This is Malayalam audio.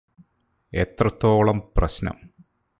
എത്രത്തോളം പ്രശ്നം